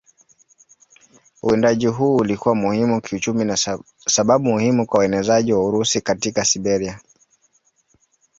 Uwindaji huu ulikuwa muhimu kiuchumi na sababu muhimu kwa uenezaji wa Urusi katika Siberia.